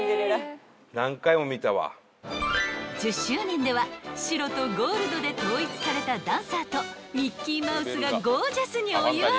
［１０周年では白とゴールドで統一されたダンサーとミッキーマウスがゴージャスにお祝い］